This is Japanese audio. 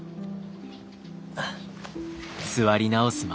あっ。